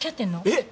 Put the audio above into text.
えっ？